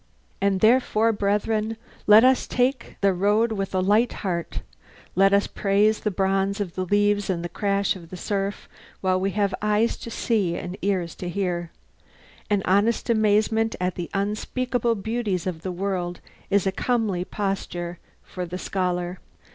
"And therefore, brethren, let us take the road with a light heart. Let us praise the bronze of the leaves and the crash of the surf while we have eyes to see and ears to hear. An honest amazement at the unspeakable beauties of the world is a comely posture for the scholar.